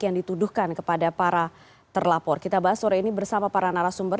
yang dituduhkan kepada para terlapor kita bahas sore ini bersama para narasumber